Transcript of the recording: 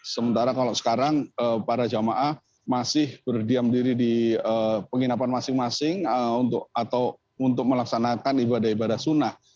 sementara kalau sekarang para jamaah masih berdiam diri di penginapan masing masing untuk melaksanakan ibadah ibadah sunnah